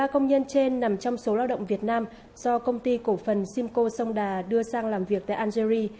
một mươi ba công nhân trên nằm trong số lao động việt nam do công ty cổ phần simcoe songda đưa sang làm việc tại algeria